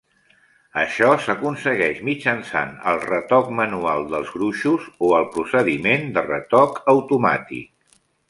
Això s'aconsegueix mitjançant el retoc manual dels gruixos o el procediment de retoc automàtic.